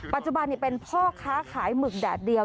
ปัจจุบันเป็นพ่อค้าขายหมึกแดดเดียว